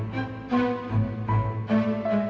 bahsir dalam modal menu itu